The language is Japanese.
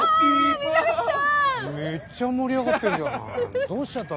めっちゃ盛り上がってんじゃん。